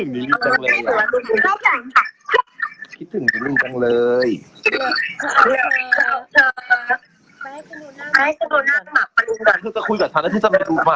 ไม่สงไม่สงจริงค่ะ